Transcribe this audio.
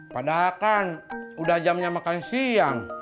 padahal kan udah jamnya makan siang